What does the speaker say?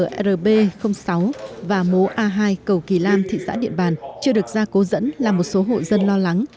mặt khác tại hạ lưu cầu lrb sáu và mố a hai cầu kỳ lam thị xã điện bàn chưa được ra cố dẫn là một số hộ dân lo lắng